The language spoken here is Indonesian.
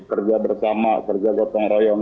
kerja bersama kerja gotong royong